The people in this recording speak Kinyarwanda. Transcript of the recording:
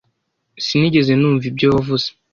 Sinigeze numva ibyo wavuze.